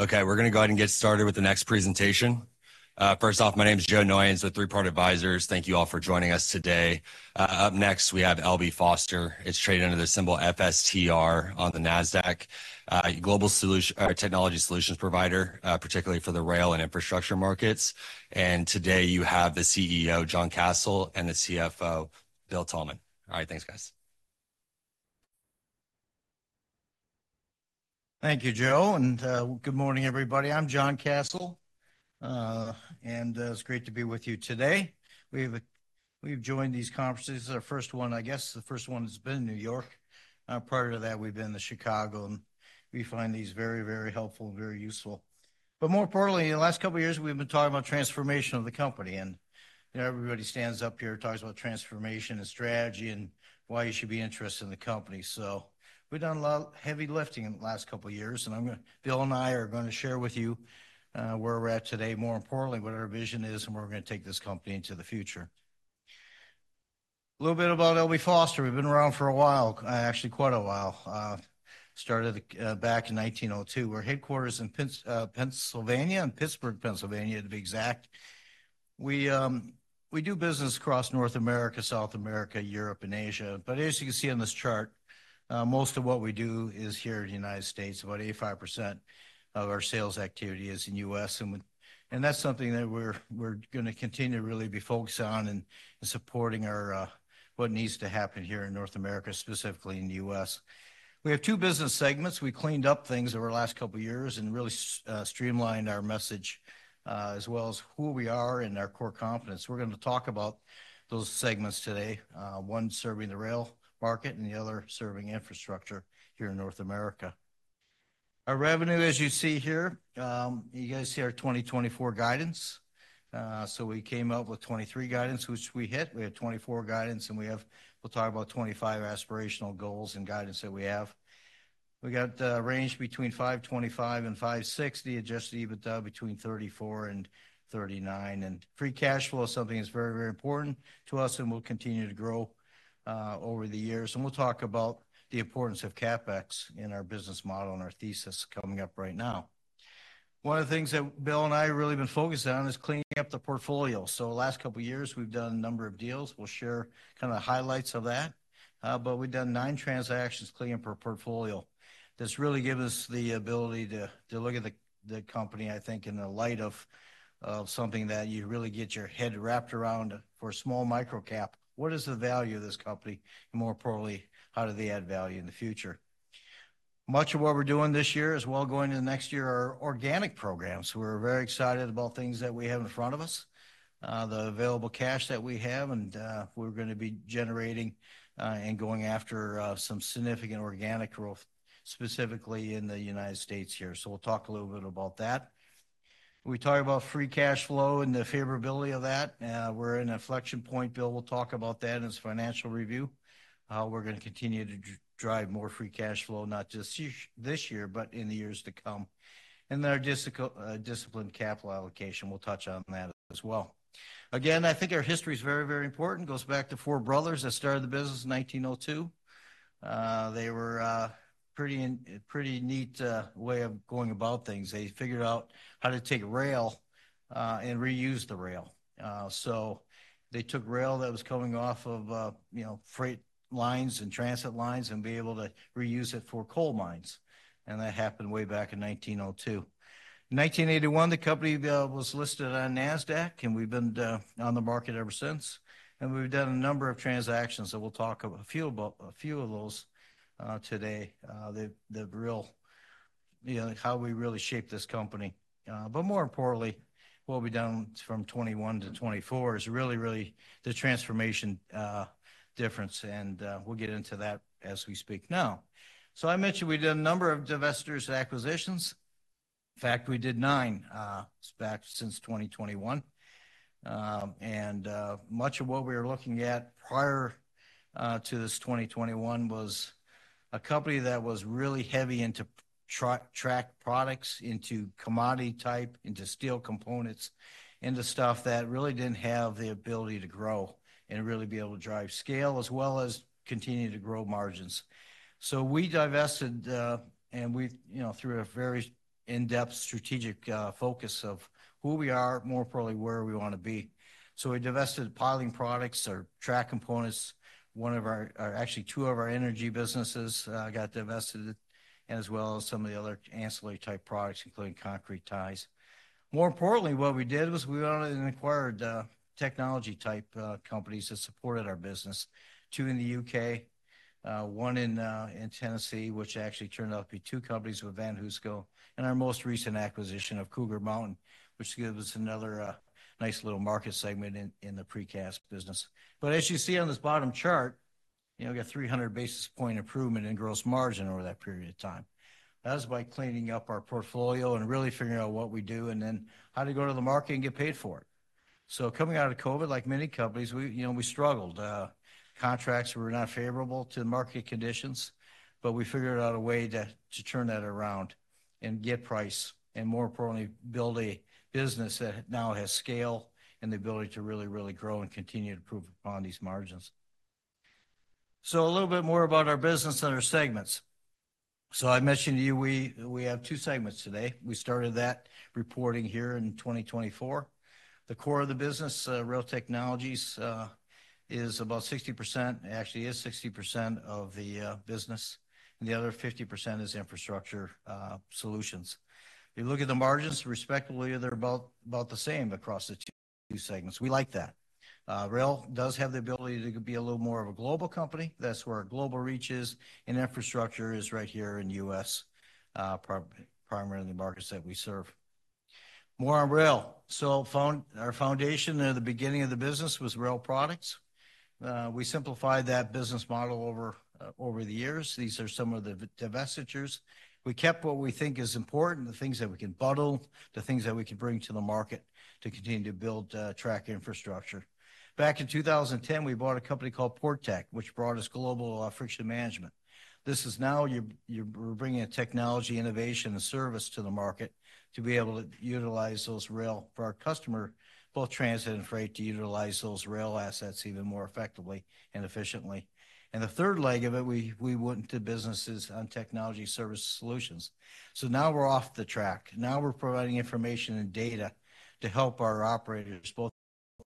Okay, we're going to go ahead and get started with the next presentation. First off, my name is Joe Noyens with Three Part Advisors. Thank you all for joining us today. Up next, we have L.B. Foster. It's traded under the symbol FSTR on the Nasdaq, a global technology solutions provider, particularly for the rail and infrastructure markets. Today you have the CEO, John Kasel, and the CFO, Bill Thalman. All right, thanks, guys. Thank you, Joe. Good morning, everybody. I'm John Kasel, and it's great to be with you today. We've joined these conferences. Our first one, I guess, the first one has been in New York. Prior to that, we've been in Chicago, and we find these very, very helpful and very useful. More importantly, in the last couple of years, we've been talking about transformation of the company. Everybody stands up here, talks about transformation and strategy and why you should be interested in the company. We've done a lot of heavy lifting in the last couple of years. Bill and I are going to share with you where we're at today, more importantly, what our vision is, and where we're going to take this company into the future. A little bit about L.B. Foster. We've been around for a while, actually quite a while. Started back in 1902. We're headquartered in Pennsylvania, in Pittsburgh, Pennsylvania, to be exact. We do business across North America, South America, Europe, and Asia. But as you can see on this chart, most of what we do is here in the United States. About 85% of our sales activity is in the U.S. And that's something that we're going to continue to really be focused on and supporting what needs to happen here in North America, specifically in the U.S. We have two business segments. We cleaned up things over the last couple of years and really streamlined our message, as well as who we are and our core competence. We're going to talk about those segments today, one serving the rail market and the other serving infrastructure here in North America. Our revenue, as you see here, you guys see our 2024 guidance. So we came up with 2023 guidance, which we hit. We have 2024 guidance, and we'll talk about 2025 aspirational goals and guidance that we have. We got a range between $525 and $560, Adjusted EBITDA between $34 and $39. And free cash flow is something that's very, very important to us, and we'll continue to grow over the years. And we'll talk about the importance of CapEx in our business model and our thesis coming up right now. One of the things that Bill and I have really been focused on is cleaning up the portfolio. So the last couple of years, we've done a number of deals. We'll share kind of the highlights of that. But we've done nine transactions cleaning up our portfolio. This really gives us the ability to look at the company, I think, in the light of something that you really get your head wrapped around for a small microcap. What is the value of this company? And more importantly, how do they add value in the future? Much of what we're doing this year is, well, going into next year, our organic programs. We're very excited about things that we have in front of us, the available cash that we have, and we're going to be generating and going after some significant organic growth, specifically in the United States here. So we'll talk a little bit about that. We talk about free cash flow and the favorability of that. We're in an inflection point. Bill will talk about that in his financial review. We're going to continue to drive more free cash flow, not just this year, but in the years to come. And then our disciplined capital allocation. We'll touch on that as well. Again, I think our history is very, very important. Goes back to four brothers that started the business in 1902. They were a pretty neat way of going about things. They figured out how to take rail and reuse the rail. So they took rail that was coming off of freight lines and transit lines and were able to reuse it for coal mines. And that happened way back in 1902. In 1981, the company was listed on Nasdaq, and we've been on the market ever since. And we've done a number of transactions. And we'll talk a few of those today, the real how we really shaped this company. But more importantly, what we've done from 2021-2024 is really, really the transformation difference. We'll get into that as we speak now. I mentioned we did a number of divestitures and acquisitions. In fact, we did 9 back since 2021. Much of what we were looking at prior to this 2021 was a company that was really heavy into track products, into commodity type, into steel components, into stuff that really didn't have the ability to grow and really be able to drive scale as well as continue to grow margins. So we divested, and we, through a very in-depth strategic focus of who we are, more importantly, where we want to be. We divested piling products or track components. One of our, actually two of our energy businesses got divested, as well as some of the other ancillary type products, including concrete ties. More importantly, what we did was we went out and acquired technology type companies that supported our business, two in the U.K., one in Tennessee, which actually turned out to be two companies with VanHooseCo, and our most recent acquisition of Cougar Mountain, which gives us another nice little market segment in the precast business. But as you see on this bottom chart, we got 300 basis point improvement in gross margin over that period of time. That was by cleaning up our portfolio and really figuring out what we do and then how to go to the market and get paid for it. So coming out of COVID, like many companies, we struggled. Contracts were not favorable to market conditions, but we figured out a way to turn that around and get price and, more importantly, build a business that now has scale and the ability to really, really grow and continue to prove upon these margins. So a little bit more about our business and our segments. So I mentioned to you we have 2 segments today. We started that reporting here in 2024. The core of the business, rail technologies, is about 60%; actually is 60% of the business. The other 50% is infrastructure solutions. If you look at the margins, respectively, they're about the same across the 2 segments. We like that. Rail does have the ability to be a little more of a global company. That's where our global reach is, and infrastructure is right here in the U.S., primarily the markets that we serve. More on rail. So our foundation at the beginning of the business was Rail Products. We simplified that business model over the years. These are some of the divestitures. We kept what we think is important, the things that we can bundle, the things that we can bring to the market to continue to build track infrastructure. Back in 2010, we bought a company called Portec, which brought us global Friction Management. This is now we're bringing a technology innovation and service to the market to be able to utilize those rail for our customer, both transit and freight, to utilize those rail assets even more effectively and efficiently. And the third leg of it, we went into businesses on technology service solutions. So now we're off the track. Now we're providing information and data to help our operators, both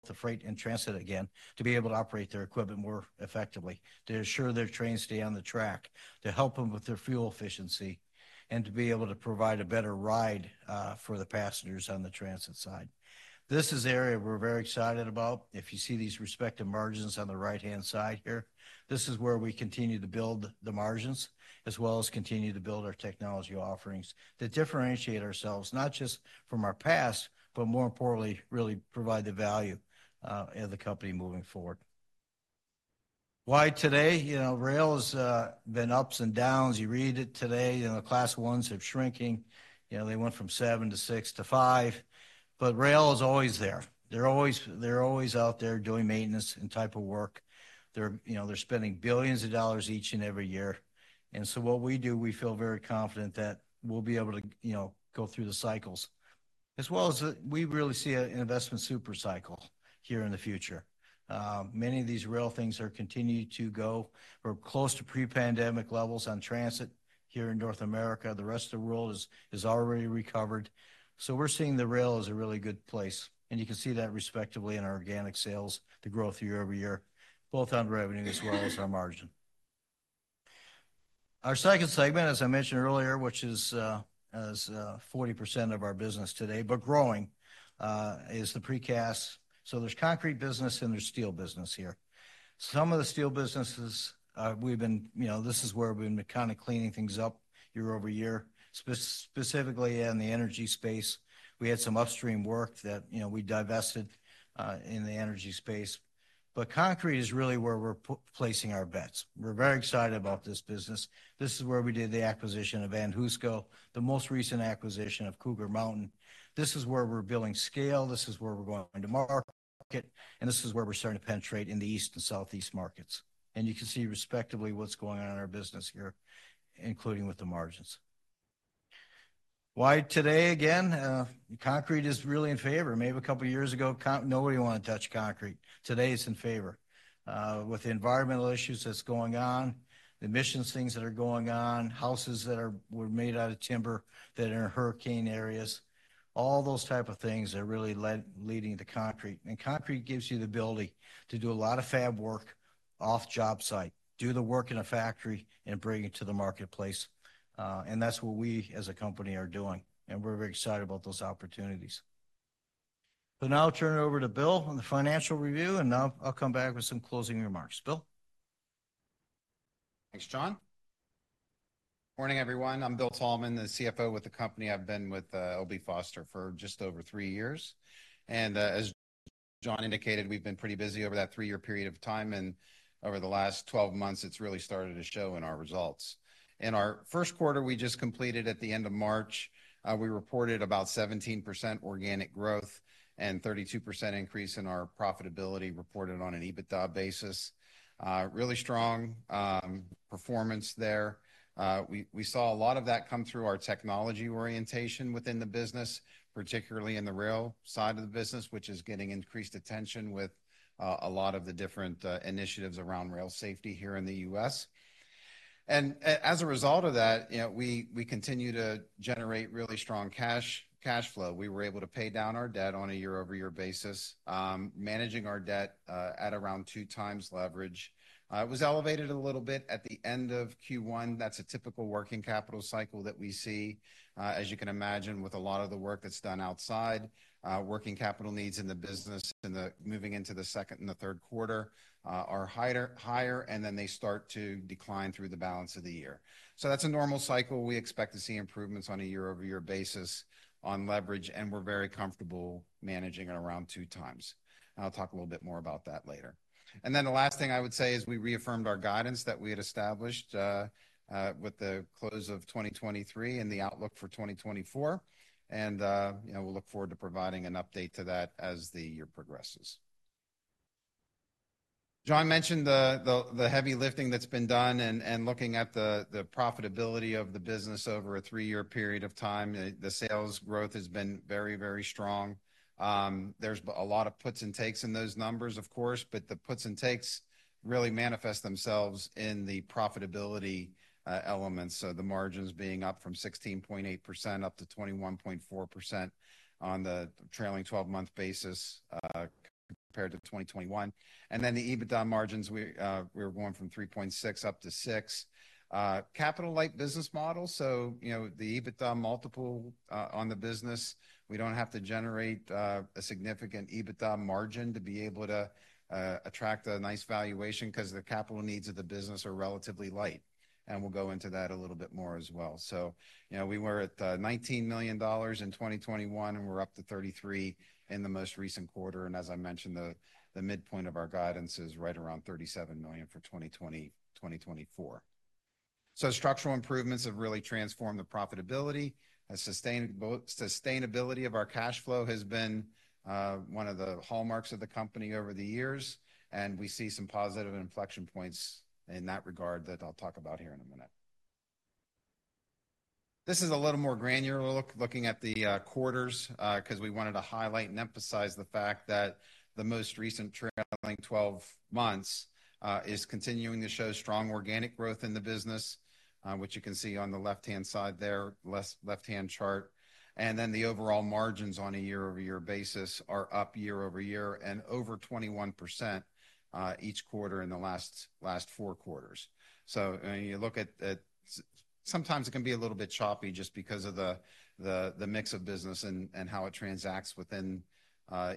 the freight and transit again, to be able to operate their equipment more effectively, to ensure their trains stay on the track, to help them with their fuel efficiency, and to be able to provide a better ride for the passengers on the transit side. This is an area we're very excited about. If you see these respective margins on the right-hand side here, this is where we continue to build the margins, as well as continue to build our technology offerings that differentiate ourselves, not just from our past, but more importantly, really provide the value of the company moving forward. Why today? Rail has been ups and downs. You read it today. The Class Is are shrinking. They went from 7 to 6 to 5. But rail is always there. They're always out there doing maintenance and type of work. They're spending billions of dollars each and every year. And so what we do, we feel very confident that we'll be able to go through the cycles, as well as we really see an investment supercycle here in the future. Many of these rail things are continuing to go or close to pre-pandemic levels on transit here in North America. The rest of the world has already recovered. So we're seeing the rail as a really good place. And you can see that respectively in our organic sales, the growth year-over-year, both on revenue as well as our margin. Our second segment, as I mentioned earlier, which is 40% of our business today, but growing, is the precast. So there's concrete business and there's steel business here. Some of the steel businesses, this is where we've been kind of cleaning things up year over year, specifically in the energy space. We had some upstream work that we divested in the energy space. But concrete is really where we're placing our bets. We're very excited about this business. This is where we did the acquisition of VanHooseCo, the most recent acquisition of Cougar Mountain. This is where we're building scale. This is where we're going to market. And this is where we're starting to penetrate in the east and southeast markets. And you can see respectively what's going on in our business here, including with the margins. Why today again? Concrete is really in favor. Maybe a couple of years ago, nobody wanted to touch concrete. Today it's in favor. With the environmental issues that's going on, the emissions, things that are going on, houses that were made out of timber that are in hurricane areas, all those type of things are really leading to concrete. And concrete gives you the ability to do a lot of fab work off job site, do the work in a factory, and bring it to the marketplace. And that's what we as a company are doing. And we're very excited about those opportunities. So now I'll turn it over to Bill on the financial review. And now I'll come back with some closing remarks. Bill. Thanks, John. Morning, everyone. I'm Bill Thalman, the CFO with the company. I've been with L.B. Foster for just over three years. And as John indicated, we've been pretty busy over that three-year period of time. And over the last 12 months, it's really started to show in our results. In our first quarter, we just completed at the end of March, we reported about 17% organic growth and 32% increase in our profitability reported on an EBITDA basis. Really strong performance there. We saw a lot of that come through our technology orientation within the business, particularly in the rail side of the business, which is getting increased attention with a lot of the different initiatives around rail safety here in the U.S. And as a result of that, we continue to generate really strong cash flow. We were able to pay down our debt on a year-over-year basis, managing our debt at around 2 times leverage. It was elevated a little bit at the end of Q1. That's a typical working capital cycle that we see, as you can imagine, with a lot of the work that's done outside. Working capital needs in the business and moving into the second and the third quarter are higher, and then they start to decline through the balance of the year. So that's a normal cycle. We expect to see improvements on a year-over-year basis on leverage, and we're very comfortable managing it around 2 times. I'll talk a little bit more about that later. And then the last thing I would say is we reaffirmed our guidance that we had established with the close of 2023 and the outlook for 2024. We'll look forward to providing an update to that as the year progresses. John mentioned the heavy lifting that's been done and looking at the profitability of the business over a 3-year period of time. The sales growth has been very, very strong. There's a lot of puts and takes in those numbers, of course, but the puts and takes really manifest themselves in the profitability elements. So the margins being up from 16.8%-21.4% on the trailing 12-month basis compared to 2021. And then the EBITDA margins, we were going from 3.6%-6%. Capital-light business model. So the EBITDA multiple on the business, we don't have to generate a significant EBITDA margin to be able to attract a nice valuation because the capital needs of the business are relatively light. And we'll go into that a little bit more as well. So we were at $19 million in 2021, and we're up to $33 in the most recent quarter. And as I mentioned, the midpoint of our guidance is right around $37 million for 2020-2024. So structural improvements have really transformed the profitability. Sustainability of our cash flow has been one of the hallmarks of the company over the years. And we see some positive inflection points in that regard that I'll talk about here in a minute. This is a little more granular looking at the quarters because we wanted to highlight and emphasize the fact that the most recent trailing 12 months is continuing to show strong organic growth in the business, which you can see on the left-hand side there, left-hand chart. And then the overall margins on a year-over-year basis are up year-over-year and over 21% each quarter in the last four quarters. So when you look at, sometimes it can be a little bit choppy just because of the mix of business and how it transacts within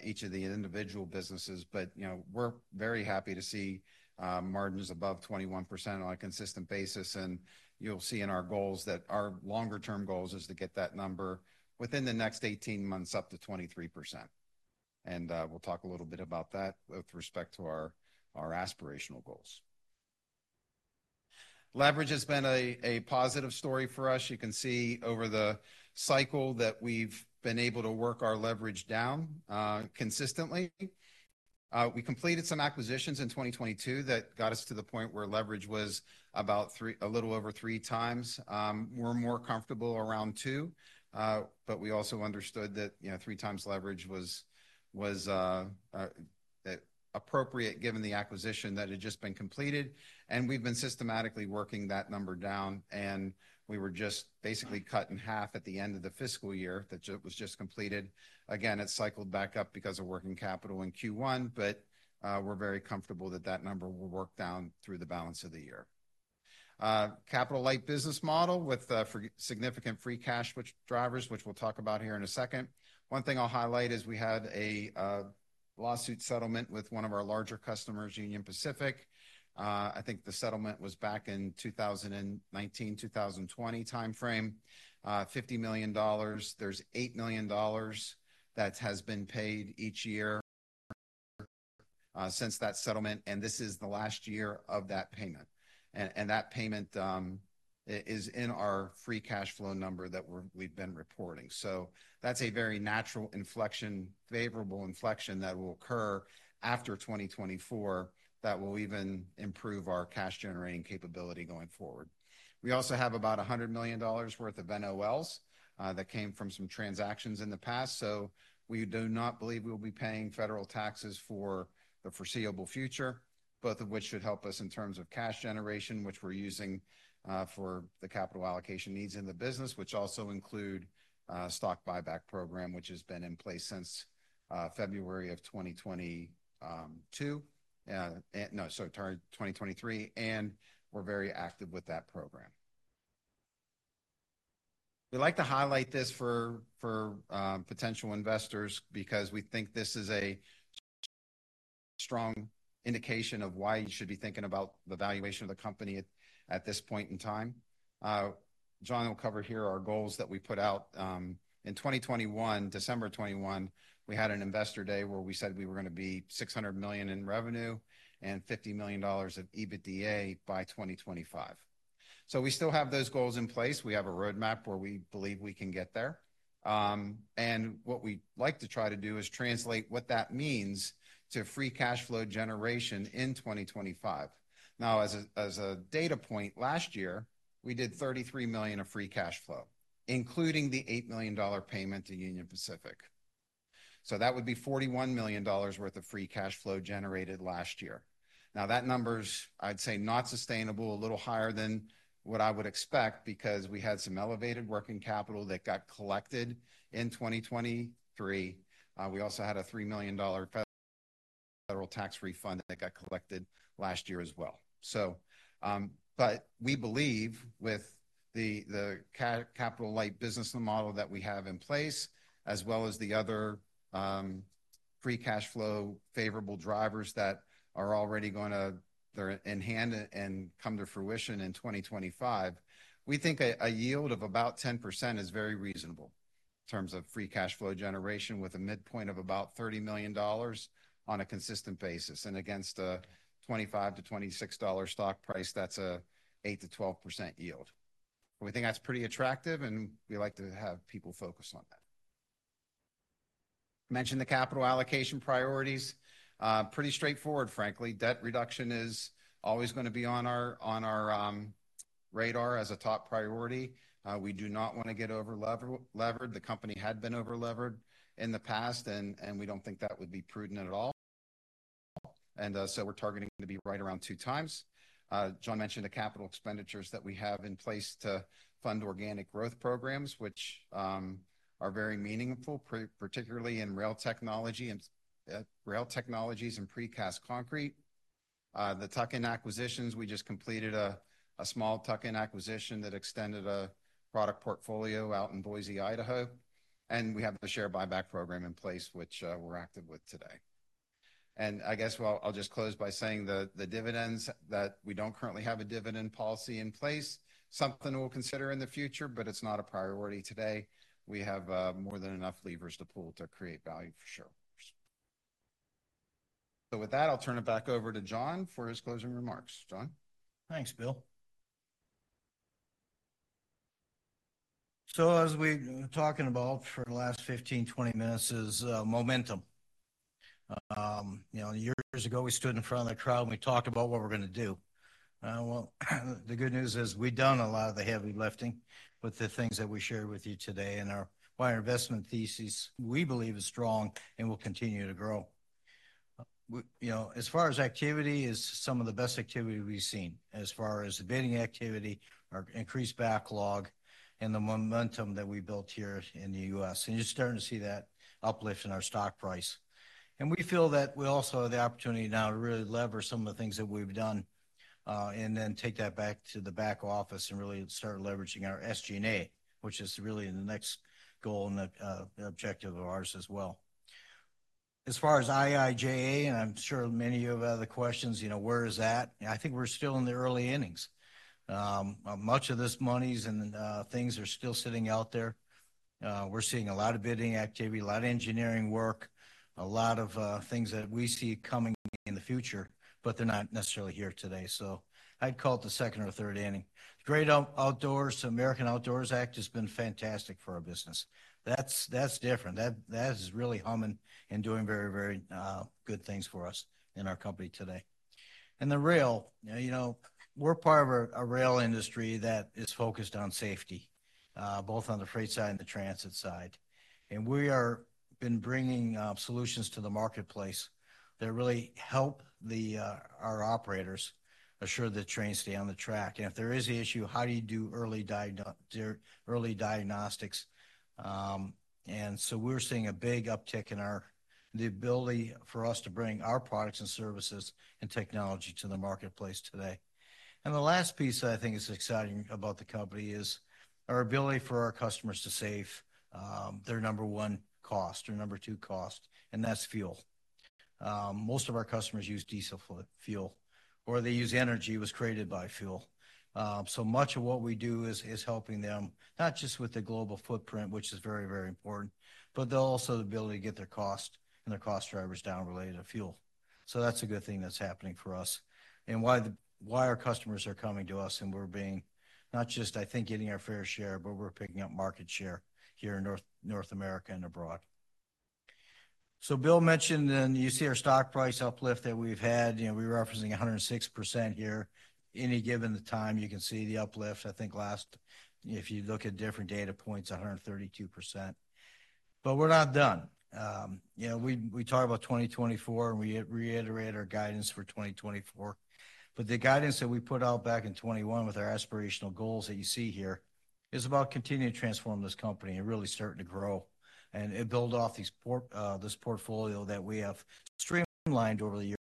each of the individual businesses. But we're very happy to see margins above 21% on a consistent basis. And you'll see in our goals that our longer-term goal is to get that number within the next 18 months up to 23%. And we'll talk a little bit about that with respect to our aspirational goals. Leverage has been a positive story for us. You can see over the cycle that we've been able to work our leverage down consistently. We completed some acquisitions in 2022 that got us to the point where leverage was about a little over 3x. We're more comfortable around 2x, but we also understood that 3x leverage was appropriate given the acquisition that had just been completed. We've been systematically working that number down. We were just basically cut in half at the end of the fiscal year that was just completed. Again, it cycled back up because of working capital in Q1, but we're very comfortable that that number will work down through the balance of the year. Capital-light business model with significant free cash drivers, which we'll talk about here in a second. One thing I'll highlight is we had a lawsuit settlement with one of our larger customers, Union Pacific. I think the settlement was back in 2019-2020 timeframe, $50 million. There's $8 million that has been paid each year since that settlement. This is the last year of that payment. That payment is in our free cash flow number that we've been reporting. So that's a very natural inflection, favorable inflection that will occur after 2024 that will even improve our cash-generating capability going forward. We also have about $100 million worth of NOLs that came from some transactions in the past. So we do not believe we'll be paying federal taxes for the foreseeable future, both of which should help us in terms of cash generation, which we're using for the capital allocation needs in the business, which also include a stock buyback program, which has been in place since February 2022. No, sorry, 2023. And we're very active with that program. We like to highlight this for potential investors because we think this is a strong indication of why you should be thinking about the valuation of the company at this point in time. John will cover here our goals that we put out. In 2021, December 2021, we had an investor day where we said we were going to be $600 million in revenue and $50 million of EBITDA by 2025. So we still have those goals in place. We have a roadmap where we believe we can get there. And what we'd like to try to do is translate what that means to free cash flow generation in 2025. Now, as a data point, last year, we did $33 million of free cash flow, including the $8 million payment to Union Pacific. So that would be $41 million worth of free cash flow generated last year. Now, that number's, I'd say, not sustainable, a little higher than what I would expect because we had some elevated working capital that got collected in 2023. We also had a $3 million federal tax refund that got collected last year as well. But we believe with the capital-light business model that we have in place, as well as the other free cash flow favorable drivers that are already going to enhance and come to fruition in 2025, we think a yield of about 10% is very reasonable in terms of free cash flow generation with a midpoint of about $30 million on a consistent basis. And against a $25-$26 stock price, that's an 8%-12% yield. We think that's pretty attractive, and we like to have people focus on that. Mentioned the capital allocation priorities. Pretty straightforward, frankly. Debt reduction is always going to be on our radar as a top priority. We do not want to get over-levered. The company had been over-levered in the past, and we don't think that would be prudent at all. And so we're targeting to be right around 2x. John mentioned the capital expenditures that we have in place to fund organic growth programs, which are very meaningful, particularly in rail technology, rail technologies, and precast concrete. The tuck-in acquisitions, we just completed a small tuck-in acquisition that extended a product portfolio out in Boise, Idaho. We have the share buyback program in place, which we're active with today. I guess I'll just close by saying the dividends that we don't currently have a dividend policy in place, something we'll consider in the future, but it's not a priority today. We have more than enough levers to pull to create value for sure. So with that, I'll turn it back over to John for his closing remarks. John. Thanks, Bill. So, as we were talking about for the last 15, 20 minutes, is momentum. Years ago, we stood in front of the crowd and we talked about what we're going to do. Well, the good news is we've done a lot of the heavy lifting with the things that we shared with you today. And our investment thesis, we believe, is strong and will continue to grow. As far as activity, it's some of the best activity we've seen as far as bidding activity, our increased backlog, and the momentum that we built here in the U.S. And you're starting to see that uplift in our stock price. We feel that we also have the opportunity now to really lever some of the things that we've done and then take that back to the back office and really start leveraging our SG&A, which is really the next goal and objective of ours as well. As far as IIJA, and I'm sure many of you have other questions, where is that? I think we're still in the early innings. Much of this money and things are still sitting out there. We're seeing a lot of bidding activity, a lot of engineering work, a lot of things that we see coming in the future, but they're not necessarily here today. So I'd call it the second or third inning. Great American Outdoors Act has been fantastic for our business. That's different. That is really humming and doing very, very good things for us in our company today. The rail, we're part of a rail industry that is focused on safety, both on the freight side and the transit side. We have been bringing solutions to the marketplace that really help our operators assure that trains stay on the track. And if there is an issue, how do you do early diagnostics? So we're seeing a big uptick in our ability for us to bring our products and services and technology to the marketplace today. The last piece that I think is exciting about the company is our ability for our customers to save their number one cost, their number two cost, and that's fuel. Most of our customers use diesel fuel, or they use energy that was created by fuel. So much of what we do is helping them, not just with the global footprint, which is very, very important, but also the ability to get their cost and their cost drivers down related to fuel. So that's a good thing that's happening for us. And why our customers are coming to us and we're being not just, I think, getting our fair share, but we're picking up market share here in North America and abroad. So Bill mentioned, and you see our stock price uplift that we've had. We were referencing 106% here. At any given time, you can see the uplift. I think last, if you look at different data points, 132%. But we're not done. We talked about 2024, and we reiterated our guidance for 2024. But the guidance that we put out back in 2021 with our aspirational goals that you see here is about continuing to transform this company and really starting to grow and build off this portfolio that we have streamlined over the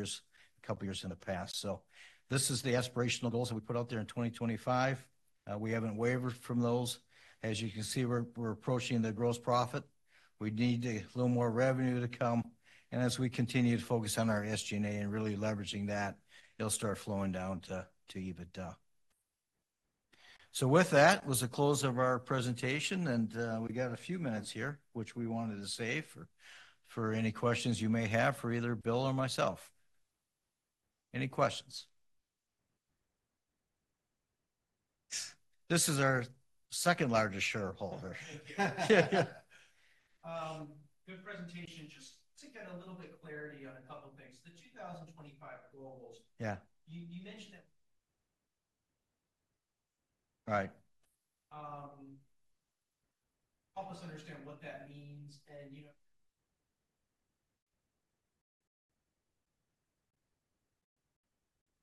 years, a couple of years in the past. So this is the aspirational goals that we put out there in 2025. We haven't wavered from those. As you can see, we're approaching the gross profit. We need a little more revenue to come. And as we continue to focus on our SG&A and really leveraging that, it'll start flowing down to EBITDA. So with that, it was the close of our presentation, and we got a few minutes here, which we wanted to save for any questions you may have for either Bill or myself. Any questions? This is our second largest shareholder. Good presentation. Just to get a little bit of clarity on a couple of things. The 2025 goals, you mentioned that. Right. Help us understand what that means and.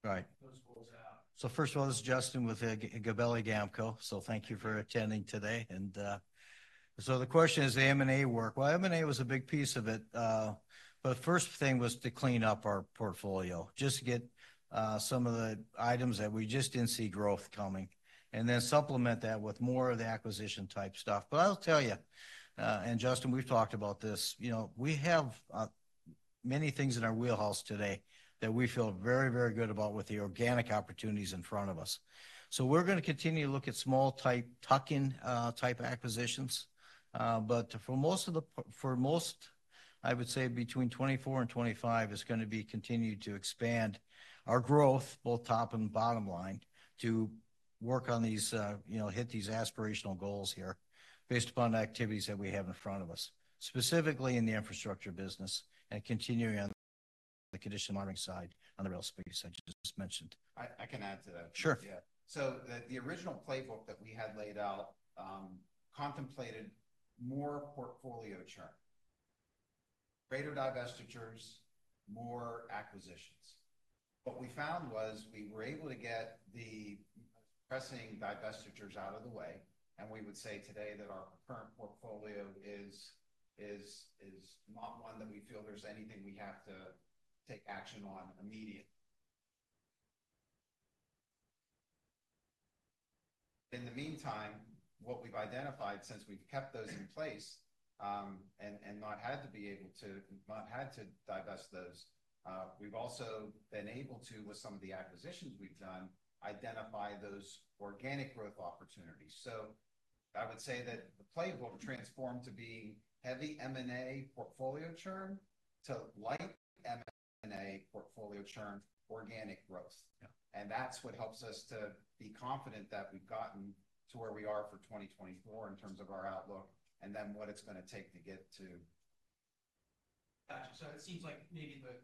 Right. Those goals out. So first of all, this is Justin with GAMCO. So thank you for attending today. And so the question is, the M&A work. Well, M&A was a big piece of it. But the first thing was to clean up our portfolio, just to get some of the items that we just didn't see growth coming, and then supplement that with more of the acquisition type stuff. But I'll tell you, and Justin, we've talked about this. We have many things in our wheelhouse today that we feel very, very good about with the organic opportunities in front of us. So we're going to continue to look at small type tuck-in type acquisitions. But for most, I would say between 2024 and 2025, it's going to be continued to expand our growth, both top and bottom line, to work on these, hit these aspirational goals here based upon activities that we have in front of us, specifically in the infrastructure business and continuing on the condition monitoring side on the rail space, I just mentioned. I can add to that. Sure. Yeah. So the original playbook that we had laid out contemplated more portfolio churn, greater divestitures, more acquisitions. What we found was we were able to get the pressing divestitures out of the way, and we would say today that our current portfolio is not one that we feel there's anything we have to take action on immediately. In the meantime, what we've identified since we've kept those in place and not had to be able to, not had to divest those, we've also been able to, with some of the acquisitions we've done, identify those organic growth opportunities. So I would say that the playbook transformed to be heavy M&A portfolio churn to light M&A portfolio churn, organic growth. And that's what helps us to be confident that we've gotten to where we are for 2024 in terms of our outlook and then what it's going to take to get to. Gotcha. So it seems like maybe the.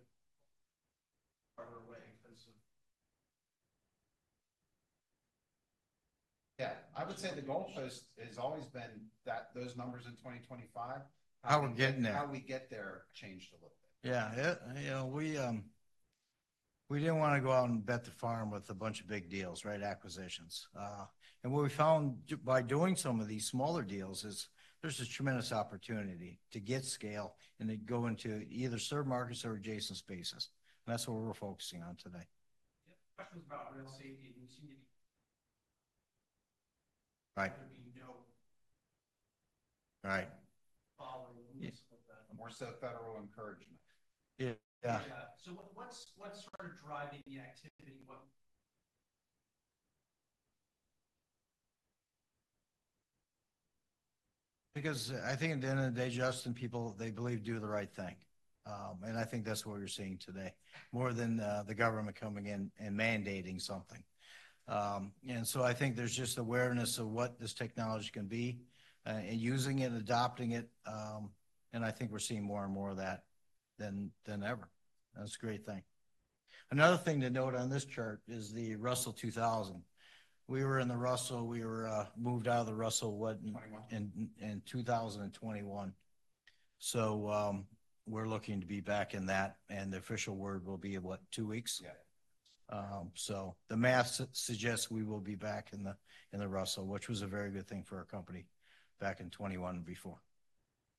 Farther away because of. Yeah. I would say the goal post has always been those numbers in 2025. How we're getting there. How we get there changed a little bit. Yeah. We didn't want to go out and bet the farm with a bunch of big deals, right? Acquisitions. And what we found by doing some of these smaller deals is there's a tremendous opportunity to get scale and to go into either sub-markets or adjacent spaces. And that's what we're focusing on today. Yep. Questions about real estate and continuing to. Right. There be no. Right. Following some of the. More so federal encouragement. Yeah. Yeah. So what's sort of driving the activity? Because I think at the end of the day, Justin, people, they believe do the right thing. And I think that's what we're seeing today, more than the government coming in and mandating something. And so I think there's just awareness of what this technology can be and using it and adopting it. And I think we're seeing more and more of that than ever. That's a great thing. Another thing to note on this chart is the Russell 2000. We were in the Russell. We were moved out of the Russell in 2021. So we're looking to be back in that. And the official word will be, what, two weeks? Yeah. The math suggests we will be back in the Russell, which was a very good thing for our company back in 2021 and before.